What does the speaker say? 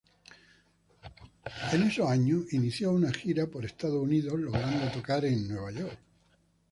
Por esos años, inició una gira por Estados Unidos, logrando tocar en Nueva York.